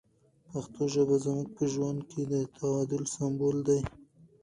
پښتو ژبه زموږ په ژوند کې د تعادل سمبول دی.